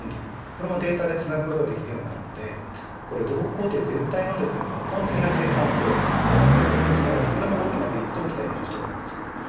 これもデータでつなぐことができるようになるので土木工程全体の抜本的な生産性この改革につながるメリットが期待できます。